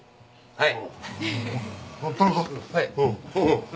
はい。